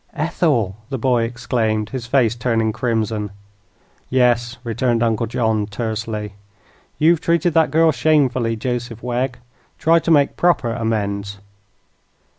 "Ethel!" the boy exclaimed, his face turning crimson. "Yes," returned Uncle John, tersely. "You've treated that girl shamefully, Joseph Wegg. Try to make proper amends."